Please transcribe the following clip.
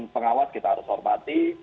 pengawas kita harus hormati